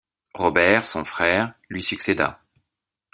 Robert, son frère, lui succéda.